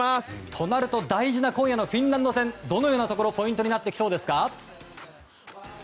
となると、大事な今夜のフィンランド戦どのようなところがポイントになってきそうですか。